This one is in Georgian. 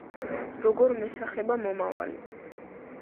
როგორ მესახება მომავალი